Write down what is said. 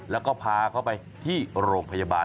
แล้วก็พาเขาไปที่โรงพยาบาล